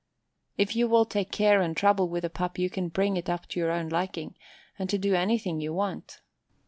If you will take care and trouble with a pup you can bring it up to your own liking, and to do anything you want.